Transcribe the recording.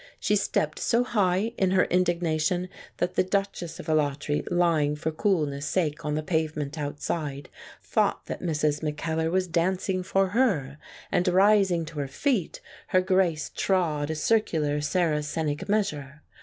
She stepped so high in her indignation that the Duchess of Alatri, lying for coolness' sake on the pavement outside, thought that Mrs. Mackellar was dancing for her, and rising to her feet, Her Grace trod a circular Saracenic measure.